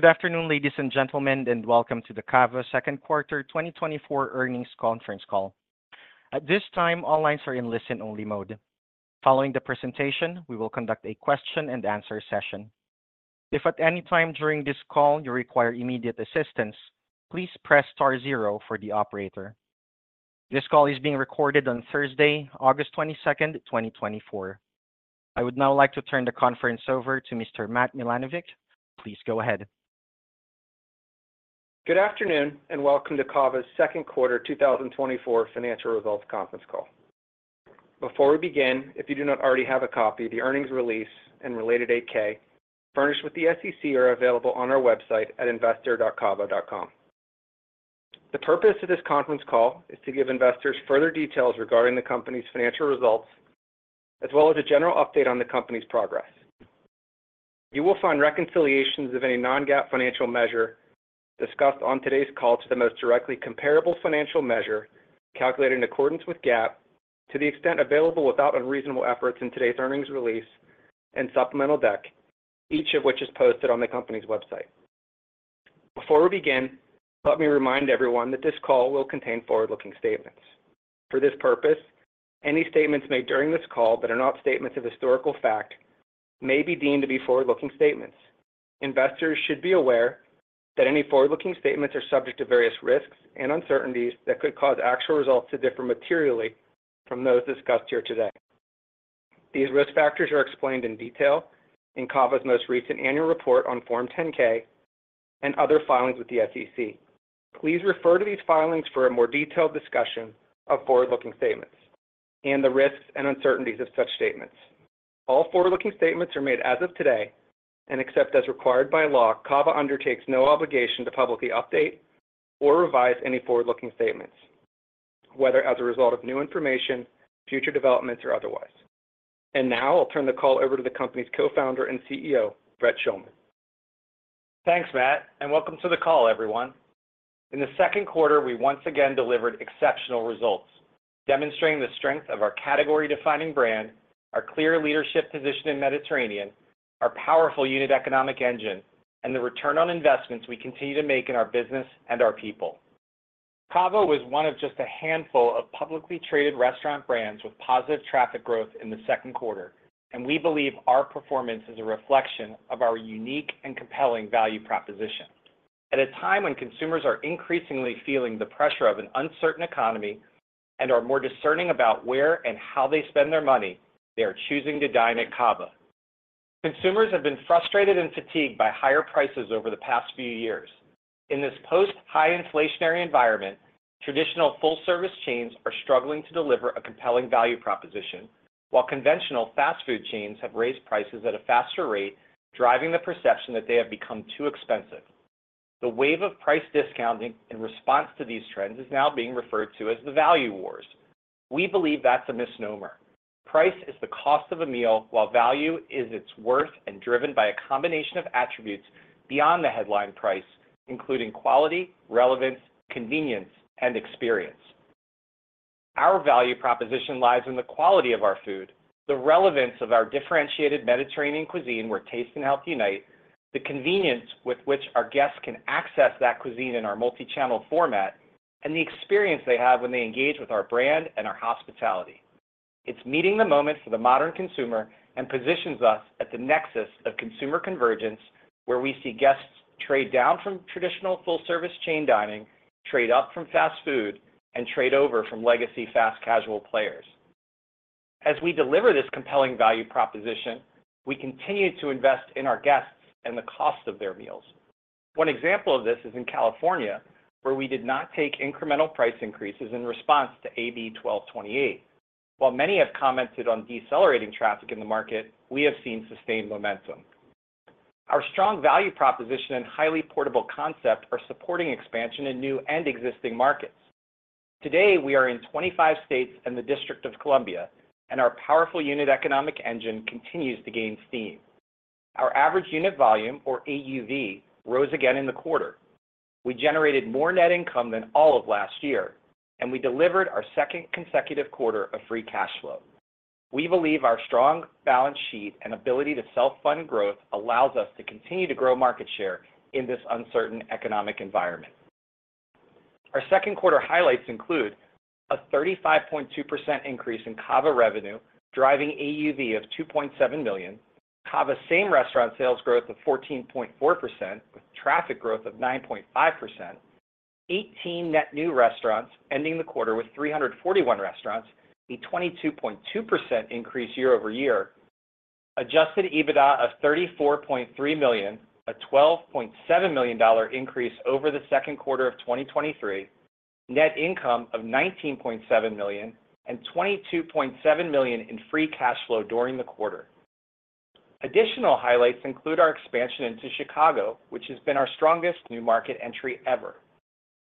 Good afternoon, ladies and gentlemen, and welcome to the CAVA second quarter 2024 earnings conference call. At this time, all lines are in listen-only mode. Following the presentation, we will conduct a question and answer session. If at any time during this call you require immediate assistance, please press star zero for the operator. This call is being recorded on Thursday, August 22nd, 2024. I would now like to turn the conference over to Mr. Matt Milanovich. Please go ahead. Good afternoon, and welcome to CAVA's second quarter 2024 financial results conference call. Before we begin, if you do not already have a copy, the earnings release and related 8-K furnished with the SEC are available on our website at investor.cava.com. The purpose of this conference call is to give investors further details regarding the company's financial results, as well as a general update on the company's progress. You will find reconciliations of any non-GAAP financial measure discussed on today's call to the most directly comparable financial measure calculated in accordance with GAAP, to the extent available without unreasonable efforts in today's earnings release and supplemental deck, each of which is posted on the company's website. Before we begin, let me remind everyone that this call will contain forward-looking statements. For this purpose, any statements made during this call that are not statements of historical fact may be deemed to be forward-looking statements. Investors should be aware that any forward-looking statements are subject to various risks and uncertainties that could cause actual results to differ materially from those discussed here today. These risk factors are explained in detail in CAVA's most recent annual report on Form 10-K and other filings with the SEC. Please refer to these filings for a more detailed discussion of forward-looking statements and the risks and uncertainties of such statements. All forward-looking statements are made as of today, and except as required by law, CAVA undertakes no obligation to publicly update or revise any forward-looking statements, whether as a result of new information, future developments, or otherwise. And now, I'll turn the call over to the company's Co-founder and CEO, Brett Schulman. Thanks, Matt, and welcome to the call, everyone. In the second quarter, we once again delivered exceptional results, demonstrating the strength of our category-defining brand, our clear leadership position in Mediterranean, our powerful unit economic engine, and the return on investments we continue to make in our business and our people. Cava was one of just a handful of publicly traded restaurant brands with positive traffic growth in the second quarter, and we believe our performance is a reflection of our unique and compelling value proposition. At a time when consumers are increasingly feeling the pressure of an uncertain economy and are more discerning about where and how they spend their money, they are choosing to dine at Cava. Consumers have been frustrated and fatigued by higher prices over the past few years. In this post-high inflationary environment, traditional full-service chains are struggling to deliver a compelling value proposition, while conventional fast food chains have raised prices at a faster rate, driving the perception that they have become too expensive. The wave of price discounting in response to these trends is now being referred to as the Value Wars. We believe that's a misnomer. Price is the cost of a meal, while value is its worth and driven by a combination of attributes beyond the headline price, including quality, relevance, convenience, and experience. Our value proposition lies in the quality of our food, the relevance of our differentiated Mediterranean cuisine, where taste and health unite, the convenience with which our guests can access that cuisine in our multi-channel format, and the experience they have when they engage with our brand and our hospitality. It's meeting the moment for the modern consumer and positions us at the nexus of consumer convergence, where we see guests trade down from traditional full-service chain dining, trade up from fast food, and trade over from legacy fast casual players. As we deliver this compelling value proposition, we continue to invest in our guests and the cost of their meals. One example of this is in California, where we did not take incremental price increases in response to AB 1228. While many have commented on decelerating traffic in the market, we have seen sustained momentum. Our strong value proposition and highly portable concept are supporting expansion in new and existing markets. Today, we are in 25 states and the District of Columbia, and our powerful unit economic engine continues to gain steam. Our average unit volume, or AUV, rose again in the quarter. We generated more net income than all of last year, and we delivered our second consecutive quarter of free cash flow. We believe our strong balance sheet and ability to self-fund growth allows us to continue to grow market share in this uncertain economic environment. Our second quarter highlights include a 35.2% increase in CAVA revenue, driving AUV of $2.7 million. CAVA same restaurant sales growth of 14.4%, with traffic growth of 9.5%. 18 net new restaurants, ending the quarter with 341 restaurants, a 22.2% increase year over year. Adjusted EBITDA of $34.3 million, a $12.7 million increase over the second quarter of 2023. Net income of $19.7 million, and $22.7 million in free cash flow during the quarter. Additional highlights include our expansion into Chicago, which has been our strongest new market entry ever.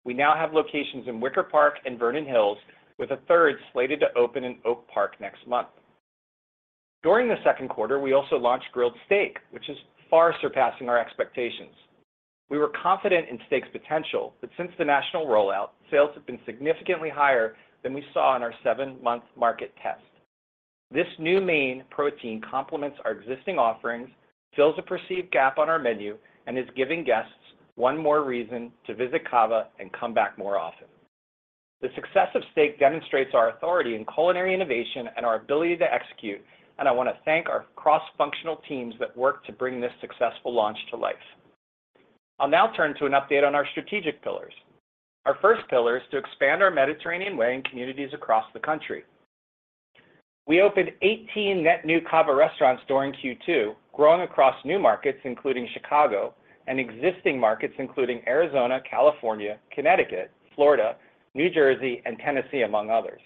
We now have locations in Wicker Park and Vernon Hills, with a third slated to open in Oak Park next month. During the second quarter, we also launched grilled steak, which is far surpassing our expectations. We were confident in steak's potential, but since the national rollout, sales have been significantly higher than we saw in our seven-month market test.... This new main protein complements our existing offerings, fills a perceived gap on our menu, and is giving guests one more reason to visit CAVA and come back more often. The success of Steak demonstrates our authority in culinary innovation and our ability to execute, and I want to thank our cross-functional teams that worked to bring this successful launch to life. I'll now turn to an update on our strategic pillars. Our first pillar is to expand our Mediterranean way in communities across the country. We opened 18 net new CAVA restaurants during Q2, growing across new markets, including Chicago, and existing markets, including Arizona, California, Connecticut, Florida, New Jersey, and Tennessee, among others.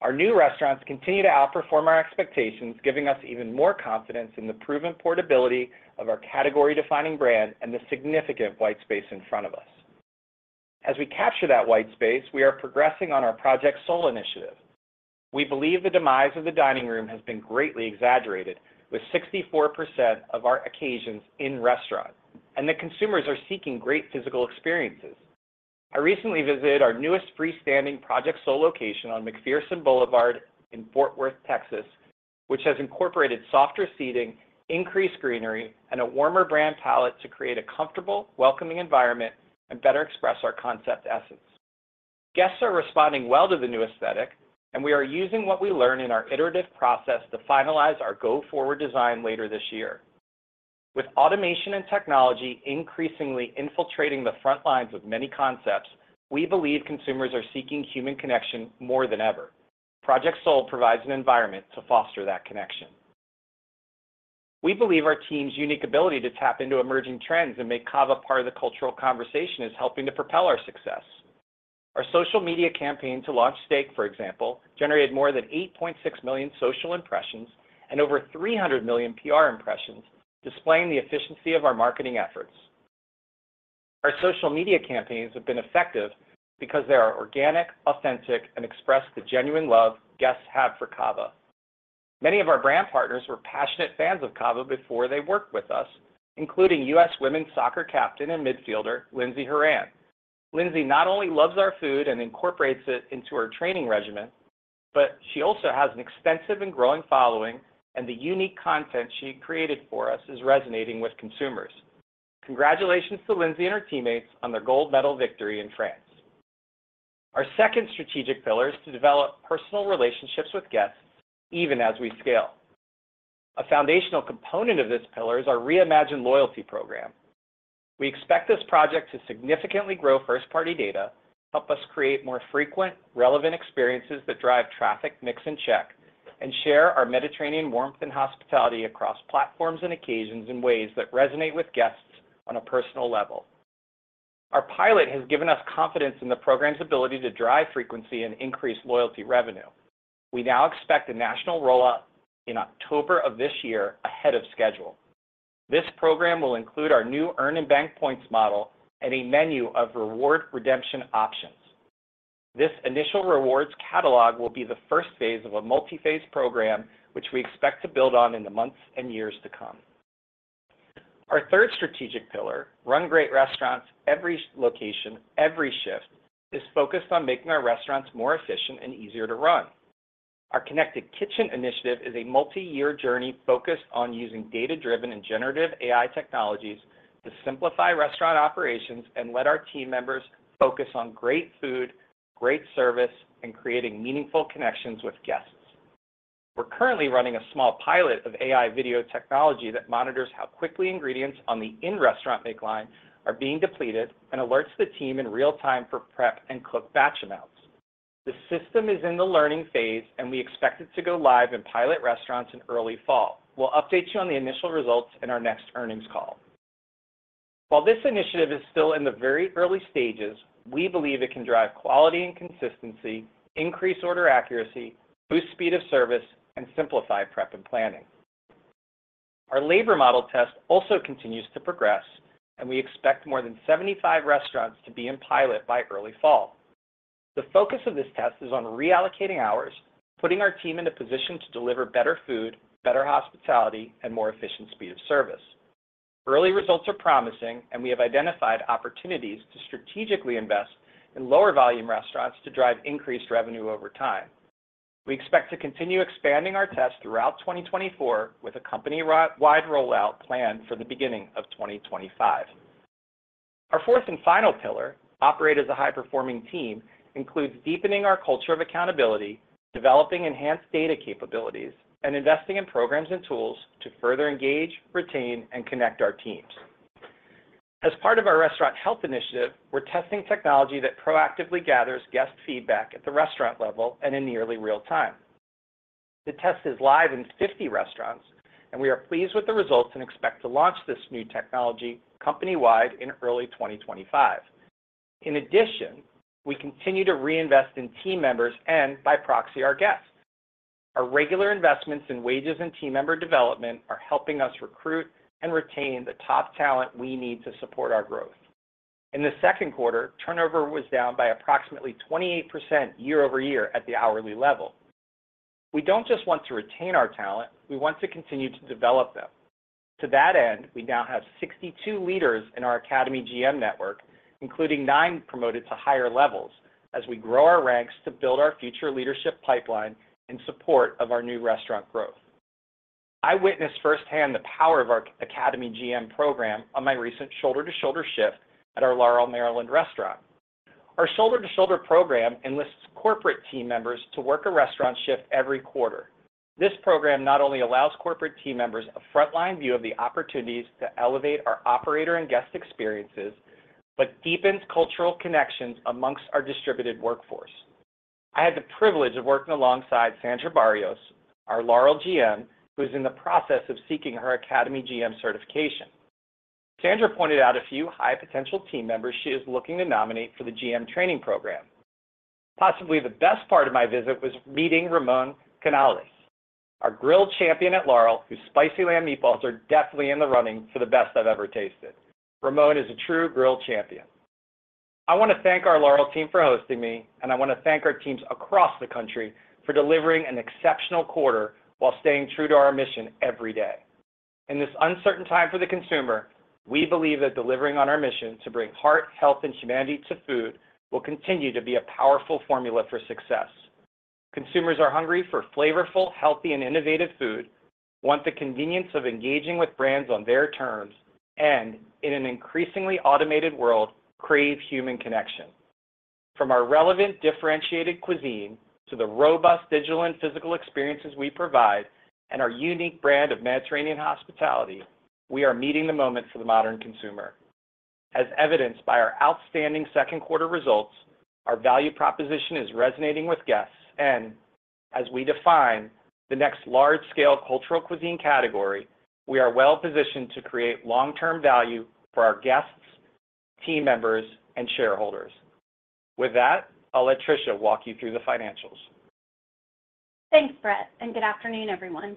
Our new restaurants continue to outperform our expectations, giving us even more confidence in the proven portability of our category-defining brand and the significant white space in front of us. As we capture that white space, we are progressing on our Project Soul initiative. We believe the demise of the dining room has been greatly exaggerated, with 64% of our occasions in restaurant, and the consumers are seeking great physical experiences. I recently visited our newest freestanding Project Soul location on McPherson Boulevard in Fort Worth, Texas, which has incorporated softer seating, increased greenery, and a warmer brand palette to create a comfortable, welcoming environment and better express our concept essence. Guests are responding well to the new aesthetic, and we are using what we learn in our iterative process to finalize our go-forward design later this year. With automation and technology increasingly infiltrating the front lines of many concepts, we believe consumers are seeking human connection more than ever. Project Soul provides an environment to foster that connection. We believe our team's unique ability to tap into emerging trends and make CAVA part of the cultural conversation is helping to propel our success. Our social media campaign to launch Steak, for example, generated more than 8.6 million social impressions and over 300 million PR impressions, displaying the efficiency of our marketing efforts. Our social media campaigns have been effective because they are organic, authentic, and express the genuine love guests have for Cava. Many of our brand partners were passionate fans of Cava before they worked with us, including U.S. women's soccer captain and midfielder, Lindsey Horan. Lindsey not only loves our food and incorporates it into her training regimen, but she also has an extensive and growing following, and the unique content she created for us is resonating with consumers. Congratulations to Lindsey and her teammates on their gold medal victory in France. Our second strategic pillar is to develop personal relationships with guests, even as we scale. A foundational component of this pillar is our reimagined loyalty program. We expect this project to significantly grow first-party data, help us create more frequent, relevant experiences that drive traffic, mix and check, and share our Mediterranean warmth and hospitality across platforms and occasions in ways that resonate with guests on a personal level. Our pilot has given us confidence in the program's ability to drive frequency and increase loyalty revenue. We now expect a national rollout in October of this year, ahead of schedule. This program will include our new earn and bank points model and a menu of reward redemption options. This initial rewards catalog will be the first phase of a multi-phase program, which we expect to build on in the months and years to come. Our third strategic pillar, run great restaurants, every location, every shift, is focused on making our restaurants more efficient and easier to run. Our Connected Kitchen initiative is a multi-year journey focused on using data-driven and generative AI technologies to simplify restaurant operations and let our team members focus on great food, great service, and creating meaningful connections with guests. We're currently running a small pilot of AI video technology that monitors how quickly ingredients on the in-restaurant bake line are being depleted and alerts the team in real time for prep and cook batch amounts. The system is in the learning phase, and we expect it to go live in pilot restaurants in early fall. We'll update you on the initial results in our next earnings call. While this initiative is still in the very early stages, we believe it can drive quality and consistency, increase order accuracy, boost speed of service, and simplify prep and planning. Our labor model test also continues to progress, and we expect more than 75 restaurants to be in pilot by early fall. The focus of this test is on reallocating hours, putting our team in a position to deliver better food, better hospitality, and more efficient speed of service. Early results are promising, and we have identified opportunities to strategically invest in lower volume restaurants to drive increased revenue over time. We expect to continue expanding our test throughout 2024 with a company-wide rollout planned for the beginning of 2025. Our fourth and final pillar, operate as a high-performing team, includes deepening our culture of accountability, developing enhanced data capabilities, and investing in programs and tools to further engage, retain, and connect our teams. As part of our Restaurant Health Initiative, we're testing technology that proactively gathers guest feedback at the restaurant level and in nearly real time. The test is live in 50 restaurants, and we are pleased with the results and expect to launch this new technology company-wide in early 2025. In addition, we continue to reinvest in team members and, by proxy, our guests. Our regular investments in wages and team member development are helping us recruit and retain the top talent we need to support our growth. In the second quarter, turnover was down by approximately 28% year over year at the hourly level. We don't just want to retain our talent, we want to continue to develop them. To that end, we now have 62 leaders in our Academy GM network, including 9 promoted to higher levels, as we grow our ranks to build our future leadership pipeline in support of our new restaurant growth. I witnessed firsthand the power of our Academy GM program on my recent Shoulder-to-Shoulder shift at our Laurel, Maryland, restaurant. Our Shoulder-to-Shoulder program enlists corporate team members to work a restaurant shift every quarter. This program not only allows corporate team members a frontline view of the opportunities to elevate our operator and guest experiences, but deepens cultural connections amongst our distributed workforce. I had the privilege of working alongside Sandra Barrios, our Laurel GM, who is in the process of seeking her Academy GM certification. Sandra pointed out a few high-potential team members she is looking to nominate for the GM training program. Possibly the best part of my visit was meeting Ramon Canales, our Grill Champion at Laurel, whose Spicy Lamb Meatballs are definitely in the running for the best I've ever tasted. Ramon is a true Grill Champion. I want to thank our Laurel team for hosting me, and I want to thank our teams across the country for delivering an exceptional quarter while staying true to our mission every day. In this uncertain time for the consumer, we believe that delivering on our mission to bring heart, health, and humanity to food will continue to be a powerful formula for success. Consumers are hungry for flavorful, healthy, and innovative food, want the convenience of engaging with brands on their terms, and in an increasingly automated world, crave human connection. From our relevant, differentiated cuisine to the robust digital and physical experiences we provide and our unique brand of Mediterranean hospitality, we are meeting the moment for the modern consumer. As evidenced by our outstanding second quarter results, our value proposition is resonating with guests, and as we define the next large-scale cultural cuisine category, we are well positioned to create long-term value for our guests, team members, and shareholders. With that, I'll let Tricia walk you through the financials. Thanks, Brett, and good afternoon, everyone.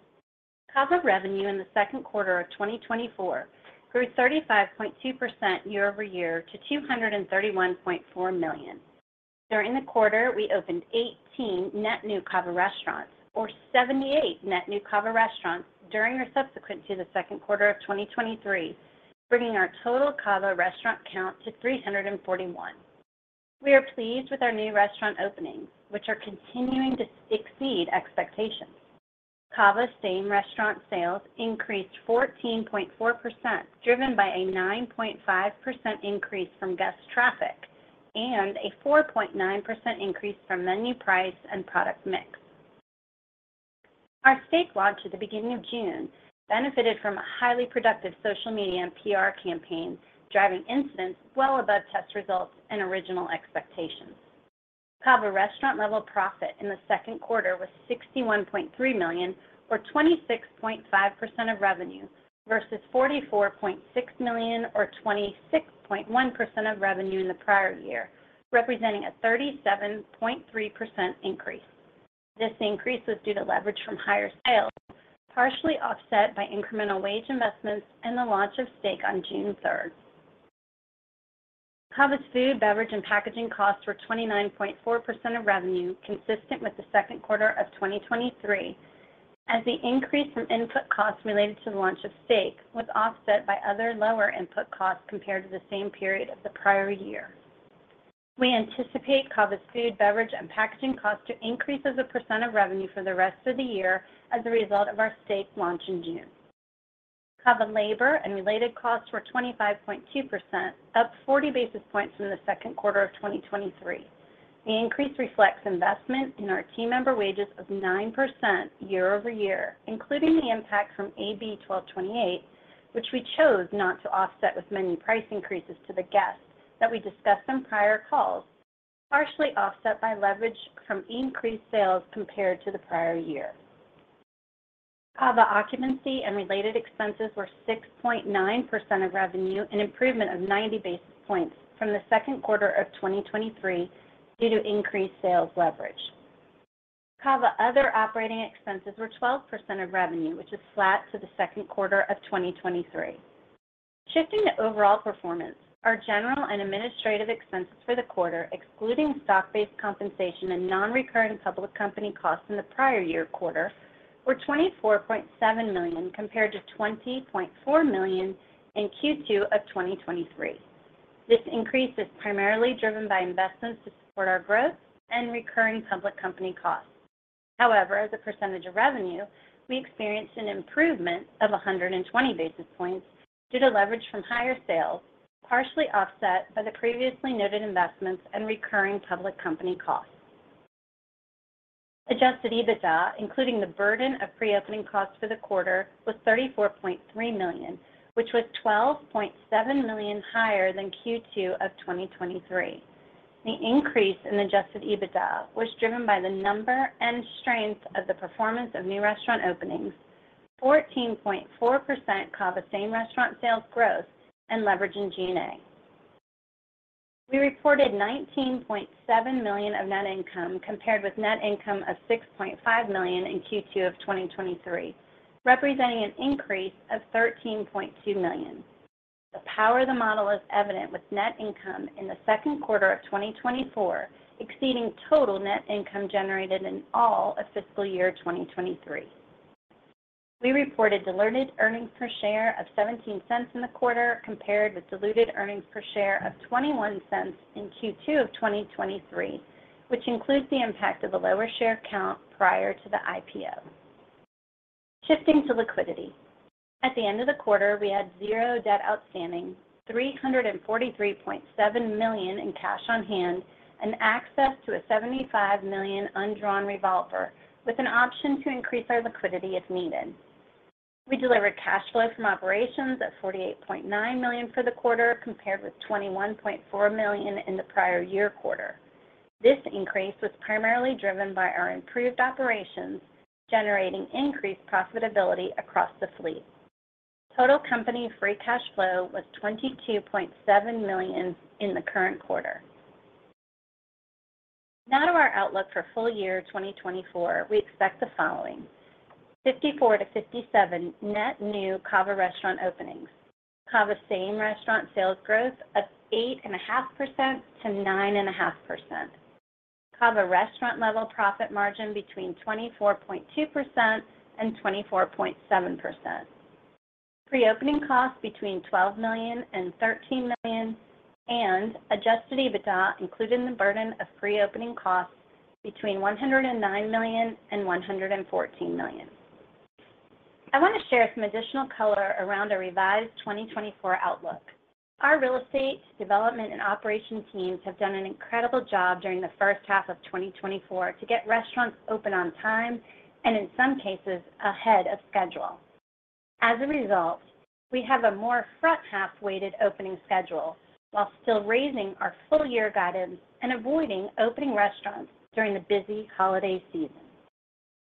CAVA revenue in the second quarter of 2024 grew 35.2% year over year to $231.4 million. During the quarter, we opened 18 net new CAVA restaurants, or 78 net new CAVA restaurants during or subsequent to the second quarter of 2023, bringing our total CAVA restaurant count to 341. We are pleased with our new restaurant openings, which are continuing to exceed expectations. CAVA same-restaurant sales increased 14.4%, driven by a 9.5% increase from guest traffic and a 4.9% increase from menu price and product mix. Our steak launch at the beginning of June benefited from a highly productive social media and PR campaign, driving incidents well above test results and original expectations. CAVA restaurant level profit in the second quarter was $61.3 million, or 26.5% of revenue, versus $44.6 million, or 26.1% of revenue in the prior year, representing a 37.3% increase. This increase was due to leverage from higher sales, partially offset by incremental wage investments and the launch of steak on June third. CAVA's food, beverage, and packaging costs were 29.4% of revenue, consistent with the second quarter of 2023, as the increase in input costs related to the launch of steak was offset by other lower input costs compared to the same period of the prior year. We anticipate CAVA's food, beverage, and packaging costs to increase as a percent of revenue for the rest of the year as a result of our steak launch in June. CAVA labor and related costs were 25.2%, up 40 basis points from the second quarter of 2023. The increase reflects investment in our team member wages of 9% year over year, including the impact from AB 1228, which we chose not to offset with menu price increases to the guests that we discussed on prior calls, partially offset by leverage from increased sales compared to the prior year. CAVA occupancy and related expenses were 6.9% of revenue, an improvement of 90 basis points from the second quarter of 2023 due to increased sales leverage. CAVA other operating expenses were 12% of revenue, which is flat to the second quarter of 2023. Shifting to overall performance, our general and administrative expenses for the quarter, excluding stock-based compensation and non-recurring public company costs in the prior year quarter, were $24.7 million, compared to $20.4 million in Q2 of 2023. This increase is primarily driven by investments to support our growth and recurring public company costs. However, as a percentage of revenue, we experienced an improvement of 100 basis points due to leverage from higher sales, partially offset by the previously noted investments and recurring public company costs. Adjusted EBITDA, including the burden of pre-opening costs for the quarter, was $34.3 million, which was $12.7 million higher than Q2 of 2023. The increase in Adjusted EBITDA was driven by the number and strength of the performance of new restaurant openings, 14.4% CAVA same restaurant sales growth, and leverage in G&A. We reported $19.7 million of net income, compared with net income of $6.5 million in Q2 of 2023, representing an increase of $13.2 million. The power of the model is evident with net income in the second quarter of 2024, exceeding total net income generated in all of fiscal year 2023. We reported diluted earnings per share of $0.17 in the quarter, compared with diluted earnings per share of $0.21 in Q2 of 2023, which includes the impact of a lower share count prior to the IPO. Shifting to liquidity. At the end of the quarter, we had zero debt outstanding, $343.7 million in cash on hand, and access to a $75 million undrawn revolver, with an option to increase our liquidity if needed. We delivered cash flow from operations at $48.9 million for the quarter, compared with $21.4 million in the prior year quarter. This increase was primarily driven by our improved operations, generating increased profitability across the fleet. Total company free cash flow was $22.7 million in the current quarter. Now to our outlook for full year 2024, we expect the following: 54-57 net new CAVA restaurant openings, CAVA same restaurant sales growth of 8.5%-9.5%. CAVA restaurant level profit margin between 24.2% and 24.7%. Pre-opening costs between $12 million and $13 million, and Adjusted EBITDA, including the burden of pre-opening costs, between $109 million and $114 million. I want to share some additional color around our revised 2024 outlook. Our real estate, development, and operation teams have done an incredible job during the first half of 2024 to get restaurants open on time and in some cases, ahead of schedule. As a result, we have a more front-half-weighted opening schedule while still raising our full-year guidance and avoiding opening restaurants during the busy holiday season.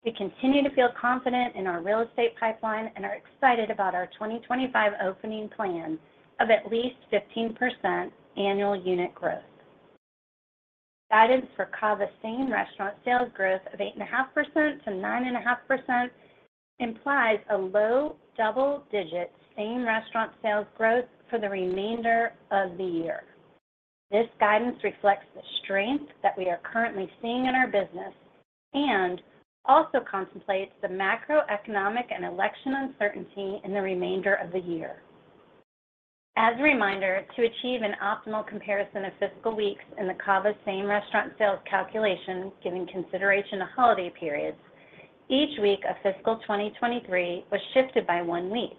We continue to feel confident in our real estate pipeline and are excited about our 2025 opening plan of at least 15% annual unit growth. Guidance for CAVA same-restaurant sales growth of 8.5% to 9.5% implies a low double-digit same-restaurant sales growth for the remainder of the year. This guidance reflects the strength that we are currently seeing in our business and also contemplates the macroeconomic and election uncertainty in the remainder of the year. As a reminder, to achieve an optimal comparison of fiscal weeks in the CAVA same-restaurant sales calculation, giving consideration to holiday periods, each week of fiscal 2023 was shifted by one week.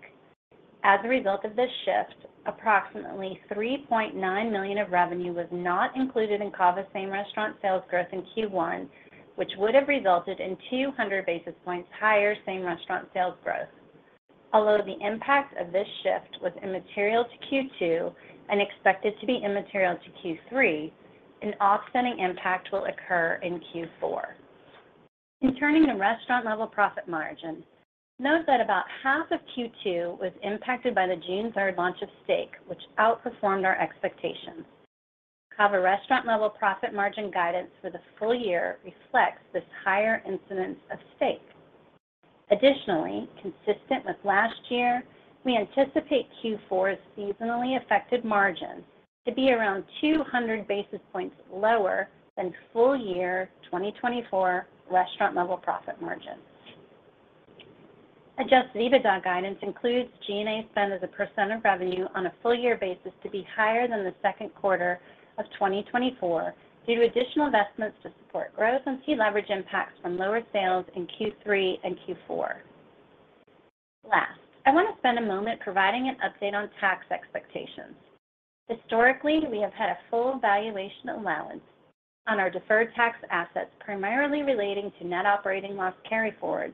As a result of this shift, approximately $3.9 million of revenue was not included in CAVA same-restaurant sales growth in Q1, which would have resulted in 200 basis points higher same-restaurant sales growth. Although the impact of this shift was immaterial to Q2 and expected to be immaterial to Q3, an offsetting impact will occur in Q4. In turning to restaurant-level profit margin, note that about half of Q2 was impacted by the June third launch of steak, which outperformed our expectations. CAVA restaurant-level profit margin guidance for the full year reflects this higher incidence of steak. Additionally, consistent with last year, we anticipate Q4's seasonally affected margins to be around two hundred basis points lower than full year 2024 restaurant-level profit margins. Adjusted EBITDA guidance includes G&A spend as a % of revenue on a full year basis to be higher than the second quarter of 2024 due to additional investments to support growth and see leverage impacts from lower sales in Q3 and Q4. Last, I want to spend a moment providing an update on tax expectations. Historically, we have had a full valuation allowance on our deferred tax assets, primarily relating to net operating loss carryforwards,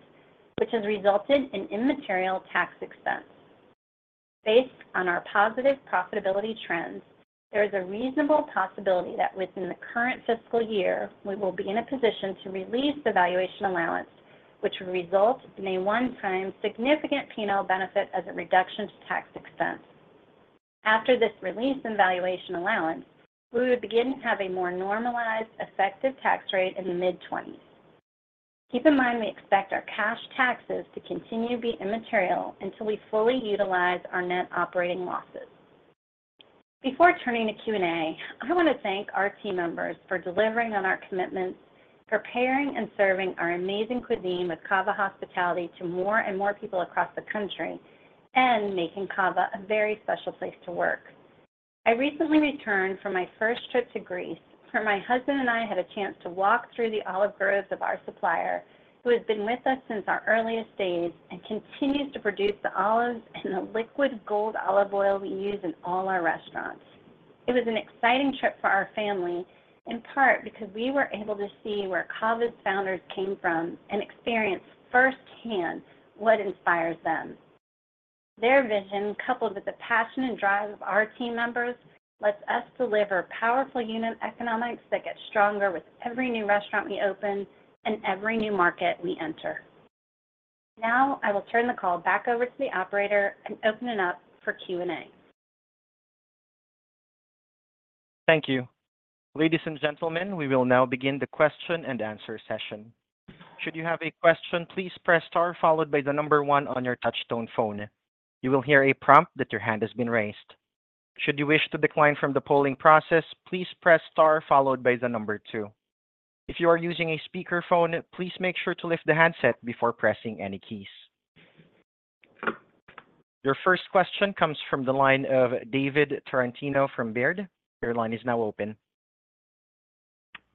which has resulted in immaterial tax expense. Based on our positive profitability trends, there is a reasonable possibility that within the current fiscal year, we will be in a position to release the valuation allowance, which would result in a one-time significant P&L benefit as a reduction to tax expense. After this release in valuation allowance, we would begin to have a more normalized effective tax rate in the mid-twenties. Keep in mind, we expect our cash taxes to continue to be immaterial until we fully utilize our net operating losses. Before turning to Q&A, I want to thank our team members for delivering on our commitments, preparing and serving our amazing cuisine with CAVA hospitality to more and more people across the country, and making CAVA a very special place to work. I recently returned from my first trip to Greece, where my husband and I had a chance to walk through the olive groves of our supplier, who has been with us since our earliest days and continues to produce the olives and the liquid gold olive oil we use in all our restaurants. It was an exciting trip for our family, in part because we were able to see where CAVA's founders came from and experience firsthand what inspires them. Their vision, coupled with the passion and drive of our team members, lets us deliver powerful unit economics that get stronger with every new restaurant we open and every new market we enter. Now, I will turn the call back over to the operator and open it up for Q&A. Thank you. Ladies and gentlemen, we will now begin the question and answer session. Should you have a question, please press star followed by the number one on your touchtone phone. You will hear a prompt that your hand has been raised. Should you wish to decline from the polling process, please press star followed by the number two. If you are using a speakerphone, please make sure to lift the handset before pressing any keys. Your first question comes from the line of David Tarantino from Baird. Your line is now open.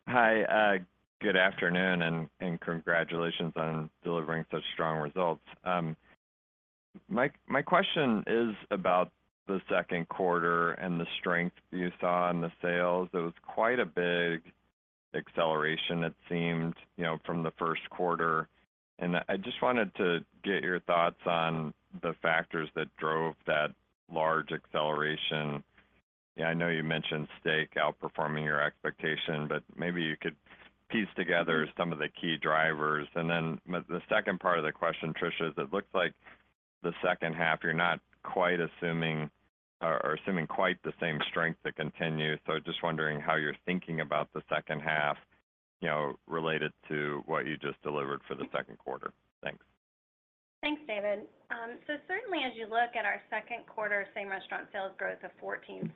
Hi, good afternoon, and congratulations on delivering such strong results. My question is about the second quarter and the strength you saw in the sales. It was quite a big acceleration, it seemed, you know, from the first quarter. And I just wanted to get your thoughts on the factors that drove that large acceleration. I know you mentioned steak outperforming your expectation, but maybe you could piece together some of the key drivers. And then the second part of the question, Tricia, is it looks like the second half, you're not quite assuming or assuming quite the same strength to continue. So just wondering how you're thinking about the second half, you know, related to what you just delivered for the second quarter. Thanks. Thanks, David. So certainly, as you look at our second quarter, same-restaurant sales growth of 14.4%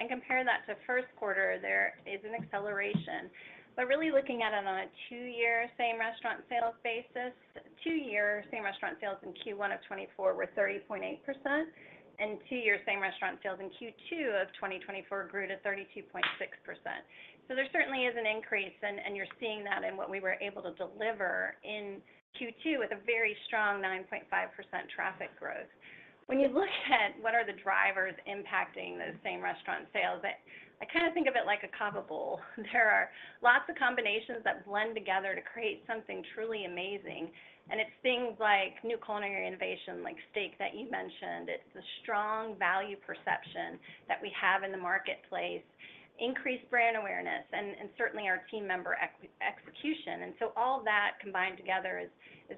and compare that to first quarter, there is an acceleration. But really looking at it on a two-year same-restaurant sales basis, two-year same-restaurant sales in Q1 of 2024 were 30.8%, and two-year same-restaurant sales in Q2 of 2024 grew to 32.6%. So there certainly is an increase, and you're seeing that in what we were able to deliver in Q2 with a very strong 9.5% traffic growth. When you look at what are the drivers impacting the same-restaurant sales, I kinda think of it like a Cobb bowl. There are lots of combinations that blend together to create something truly amazing, and it's things like new culinary innovation, like steak that you mentioned. It's the strong value perception that we have in the marketplace, increased brand awareness, and certainly our team member execution. And so all that combined together is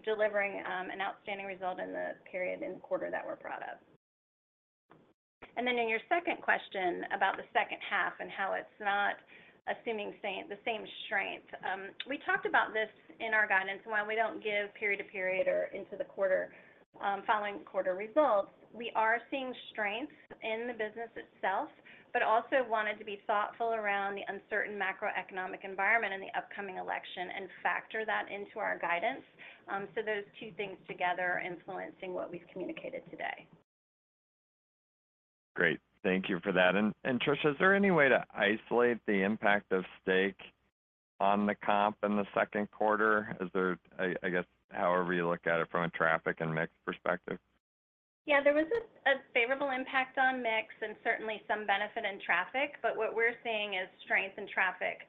delivering an outstanding result in the period, in the quarter that we're proud of. And then in your second question about the second half and how it's not assuming the same strength. We talked about this in our guidance, while we don't give period to period or into the quarter, following quarter results, we are seeing strength in the business itself, but also wanted to be thoughtful around the uncertain macroeconomic environment in the upcoming election and factor that into our guidance. So those two things together are influencing what we've communicated today. Great. Thank you for that. And Tricia, is there any way to isolate the impact of steak on the comp in the second quarter? Is there, I guess, however you look at it from a traffic and mix perspective. Yeah, there was a favorable impact on mix and certainly some benefit in traffic, but what we're seeing is strength in traffic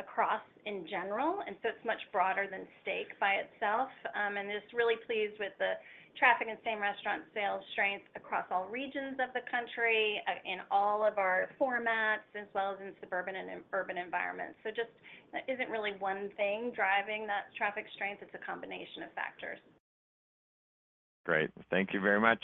across in general, and so it's much broader than steak by itself. And just really pleased with the traffic and same-restaurant sales strength across all regions of the country, in all of our formats, as well as in suburban and urban environments. So just, it isn't really one thing driving that traffic strength, it's a combination of factors. Great. Thank you very much.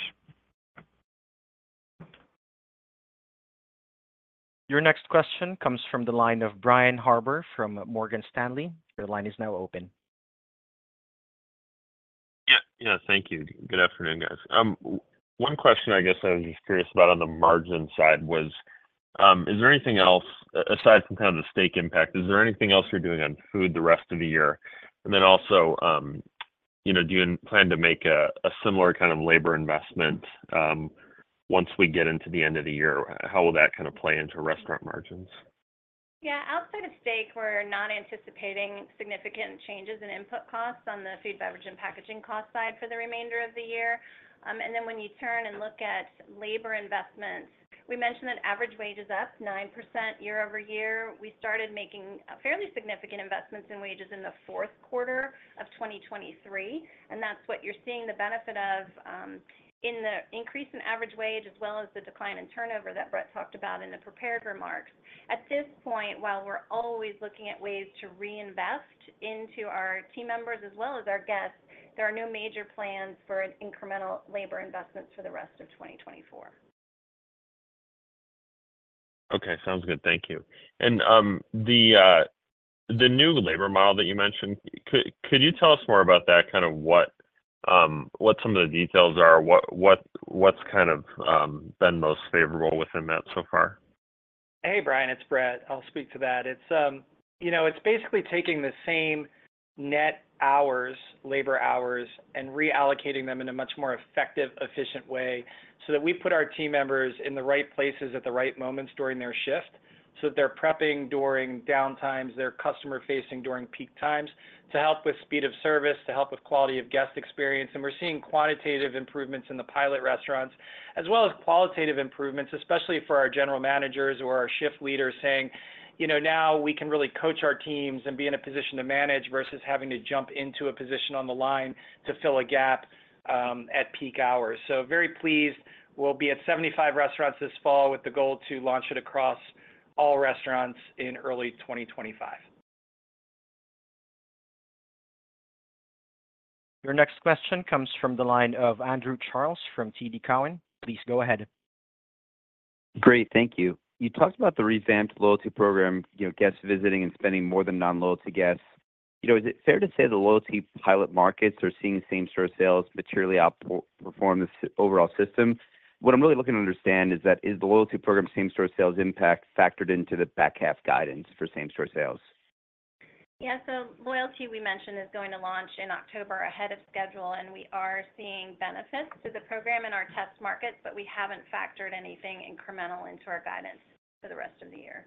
Your next question comes from the line of Brian Harbour from Morgan Stanley. Your line is now open. Yeah. Yeah, thank you. Good afternoon, guys. One question I guess I was just curious about on the margin side was, is there anything else, aside from kind of the steak impact, is there anything else you're doing on food the rest of the year? And then also, you know, do you plan to make a similar kind of labor investment, once we get into the end of the year, how will that kinda play into restaurant margins? Yeah, outside of steak, we're not anticipating significant changes in input costs on the food, beverage, and packaging cost side for the remainder of the year, and then when you turn and look at labor investments, we mentioned that average wage is up 9% year over year. We started making a fairly significant investments in wages in the fourth quarter of 2023, and that's what you're seeing the benefit of, in the increase in average wage, as well as the decline in turnover that Brett talked about in the prepared remarks. At this point, while we're always looking at ways to reinvest into our team members as well as our guests, there are no major plans for an incremental labor investments for the rest of 2024. Okay. Sounds good. Thank you. And, the new labor model that you mentioned, could you tell us more about that, kind of what some of the details are? What, what's kind of been most favorable within that so far? Hey, Brian, it's Brett. I'll speak to that. It's, you know, it's basically taking the same net hours, labor hours, and reallocating them in a much more effective, efficient way, so that we put our team members in the right places at the right moments during their shift, so that they're prepping during downtimes, they're customer-facing during peak times to help with speed of service, to help with quality of guest experience. And we're seeing quantitative improvements in the pilot restaurants, as well as qualitative improvements, especially for our general managers or our shift leaders, saying, "You know, now we can really coach our teams and be in a position to manage versus having to jump into a position on the line to fill a gap, at peak hours." So very pleased. We'll be at 75 restaurants this fall with the goal to launch it across all restaurants in early 2025. Your next question comes from the line of Andrew Charles from TD Cowen. Please go ahead. Great, thank you. You talked about the revamped loyalty program, you know, guests visiting and spending more than non-loyalty guests. You know, is it fair to say the loyalty pilot markets are seeing same-store sales materially outperform the overall system? What I'm really looking to understand is that, is the loyalty program same-store sales impact factored into the back half guidance for same-store sales? Yeah. So loyalty, we mentioned, is going to launch in October ahead of schedule, and we are seeing benefits to the program in our test markets, but we haven't factored anything incremental into our guidance for the rest of the year.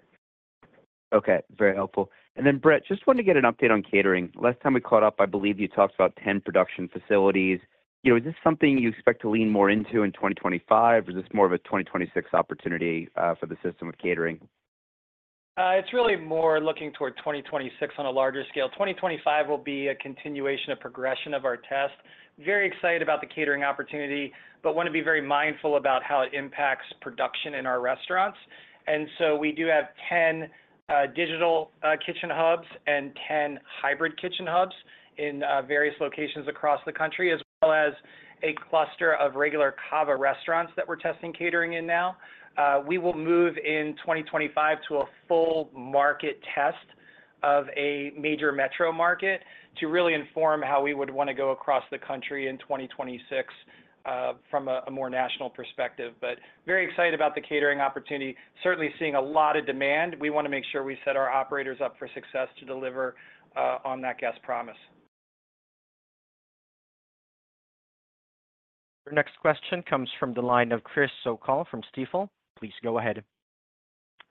Okay, very helpful. And then, Brett, just wanted to get an update on catering. Last time we caught up, I believe you talked about ten production facilities. You know, is this something you expect to lean more into in 2025, or is this more of a 2026 opportunity for the system with catering? It's really more looking toward 2026 on a larger scale. 2025 will be a continuation, a progression of our test. Very excited about the catering opportunity, but wanna be very mindful about how it impacts production in our restaurants. And so we do have ten digital kitchen hubs and ten hybrid kitchen hubs in various locations across the country, as well as a cluster of regular CAVA restaurants that we're testing catering in now. We will move in 2025 to a full market test of a major metro market to really inform how we would wanna go across the country in 2026 from a more national perspective. But very excited about the catering opportunity. Certainly seeing a lot of demand. We wanna make sure we set our operators up for success to deliver on that guest promise. Your next question comes from the line of Chris O'Cull from Stifel. Please go ahead.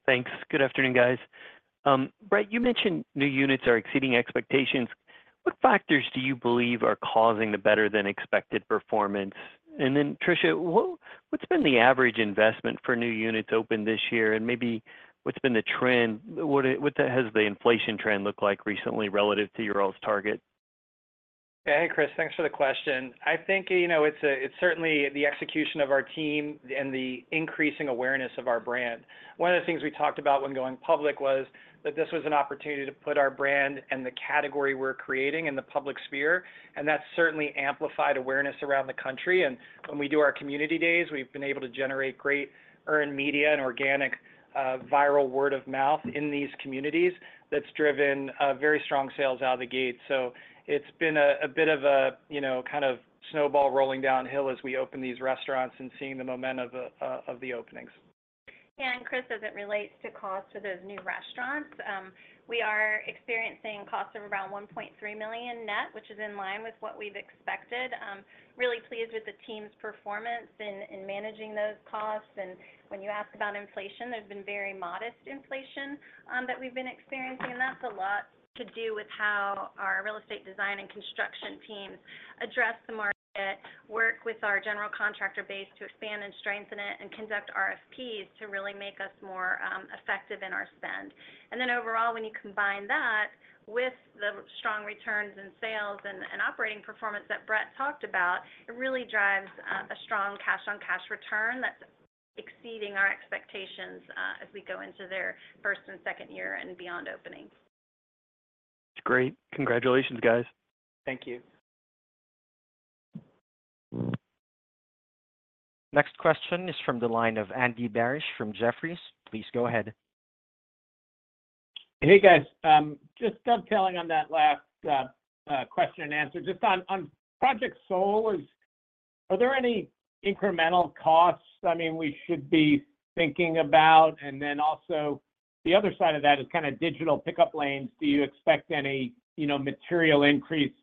Thanks. Good afternoon, guys. Brett, you mentioned new units are exceeding expectations. What factors do you believe are causing the better than expected performance? And then, Tricia, what's been the average investment for new units opened this year, and maybe what's been the trend? What has the inflation trend looked like recently relative to your all's target? Hey, Chris, thanks for the question. I think, you know, it's certainly the execution of our team and the increasing awareness of our brand. One of the things we talked about when going public was that this was an opportunity to put our brand and the category we're creating in the public sphere, and that's certainly amplified awareness around the country, and when we do our community days, we've been able to generate great earned media and organic, viral word-of-mouth in these communities that's driven, very strong sales out of the gate, so it's been a bit of a, you know, kind of snowball rolling downhill as we open these restaurants and seeing the momentum of, of the openings. Yeah, and Chris, as it relates to cost of those new restaurants, we are experiencing costs of around $1.3 million net, which is in line with what we've expected. Really pleased with the team's performance in managing those costs. And when you ask about inflation, there's been very modest inflation that we've been experiencing, and that's a lot to do with how our real estate design and construction teams address the market, work with our general contractor base to expand and strengthen it, and conduct RFPs to really make us more effective in our spend. And then overall, when you combine that with the strong returns in sales and operating performance that Brett talked about, it really drives a strong cash-on-cash return that's exceeding our expectations as we go into their first and second year and beyond opening. Great. Congratulations, guys. Thank you. Next question is from the line of Andy Barish from Jefferies. Please go ahead. Hey, guys. Just dovetailing on that last question and answer, just on Project Soul, are there any incremental costs, I mean, we should be thinking about? And then also, the other side of that is kind of digital pickup lanes. Do you expect any, you know, material increase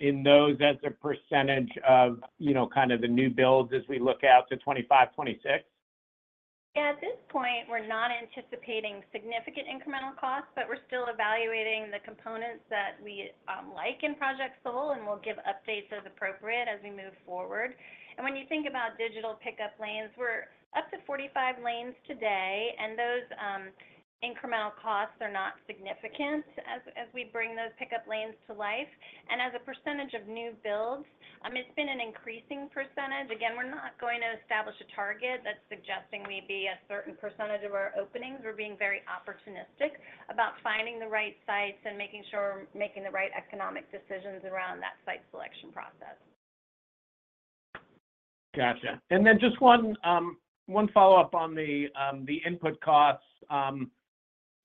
in those as a percentage of, you know, kind of the new builds as we look out to 2025, 2026? At this point, we're not anticipating significant incremental costs, but we're still evaluating the components that we, like in Project Soul, and we'll give updates as appropriate as we move forward. And when you think about digital pickup lanes, we're up to 45 lanes today, and those incremental costs are not significant as we bring those pickup lanes to life. And as a percentage of new builds, it's been an increasing percentage. Again, we're not going to establish a target that's suggesting we be a certain percentage of our openings. We're being very opportunistic about finding the right sites and making sure we're making the right economic decisions around that site selection process. Gotcha. And then just one follow-up on the input costs.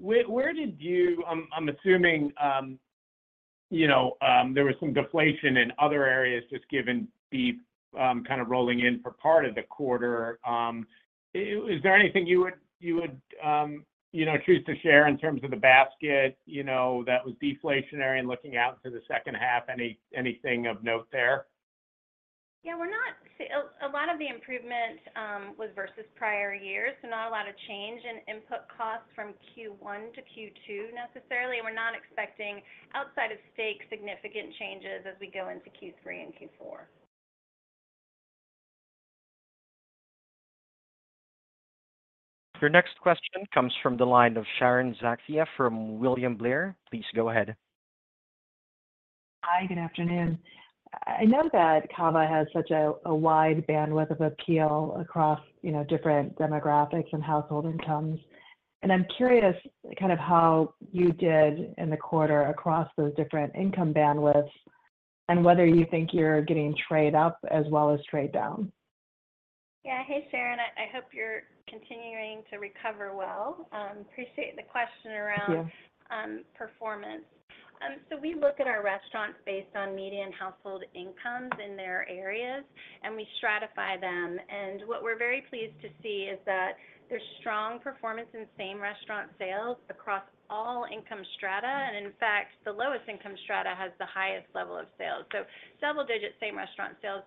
Where did you... I'm assuming, you know, there was some deflation in other areas, just given beef kind of rolling in for part of the quarter. Is there anything you would, you know, choose to share in terms of the basket, you know, that was deflationary and looking out to the second half, anything of note there? Yeah, we're not. A lot of the improvement was versus prior years, so not a lot of change in input costs from Q1 to Q2, necessarily. We're not expecting, outside of steak, significant changes as we go into Q3 and Q4. Your next question comes from the line of Sharon Zackfia from William Blair. Please go ahead. Hi, good afternoon. I know that CAVA has such a wide bandwidth of appeal across, you know, different demographics and household incomes. and I'm curious kind of how you did in the quarter across those different income bandwidths, and whether you think you're getting trade up as well as trade down? Yeah. Hey, Sharon, I hope you're continuing to recover well. Appreciate the question around- Yeah performance. So we look at our restaurants based on median household incomes in their areas, and we stratify them. And what we're very pleased to see is that there's strong performance in same-restaurant sales across all income strata. And in fact, the lowest income strata has the highest level of sales. So double digits, same-restaurant sales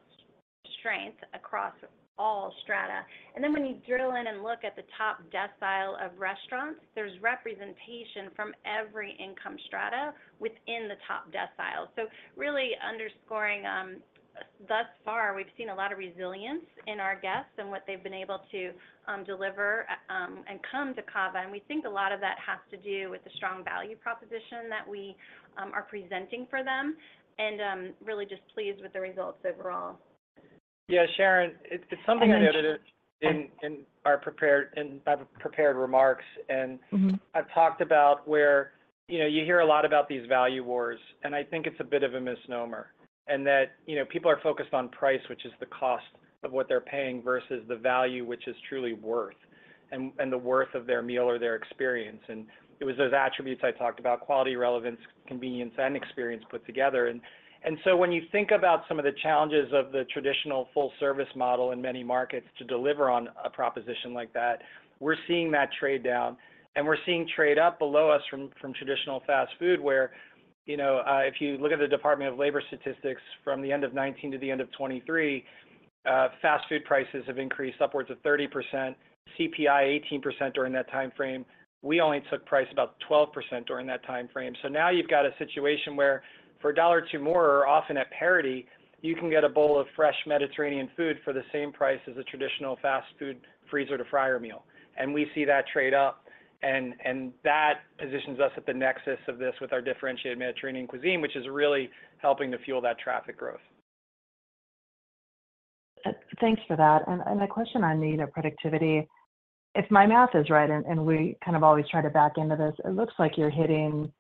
strength across all strata. And then when you drill in and look at the top decile of restaurants, there's representation from every income strata within the top decile. So really underscoring, thus far, we've seen a lot of resilience in our guests and what they've been able to deliver, and come to CAVA. And we think a lot of that has to do with the strong value proposition that we are presenting for them, and really just pleased with the results overall. Yeah, Sharon, it's something I noted in our prepared—in my prepared remarks. Mm-hmm. I've talked about where, you know, you hear a lot about these Value Wars, and I think it's a bit of a misnomer. That, you know, people are focused on price, which is the cost of what they're paying, versus the value, which is truly worth, and the worth of their meal or their experience. It was those attributes I talked about: quality, relevance, convenience, and experience put together. When you think about some of the challenges of the traditional full-service model in many markets to deliver on a proposition like that, we're seeing that trade down, and we're seeing trade up below us from traditional fast food, where, you know, if you look at the Department of Labor statistics from the end of 2019 to the end of 2023, fast food prices have increased upwards of 30%, CPI 18% during that time frame. We only took price about 12% during that time frame. So now you've got a situation where for a dollar or two more, or often at parity, you can get a bowl of fresh Mediterranean food for the same price as a traditional fast food freezer-to-fryer meal. We see that trade up, and that positions us at the nexus of this with our differentiated Mediterranean cuisine, which is really helping to fuel that traffic growth. Thanks for that, and the question on unit productivity, if my math is right, and we kind of always try to back into this, it looks like you're hitting